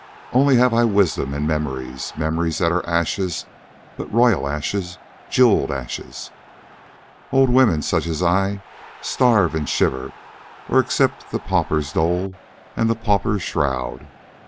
Only have I wisdom and memories memories that are ashes, but royal ashes, jeweled ashes. Old women, such as I, starve and shiver, or accept the pauper's dole and the pauper's shroud.